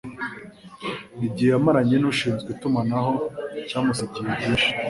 IGIHE yamaranye n'ushinzwe itumanaho cyamusigiye byisnhi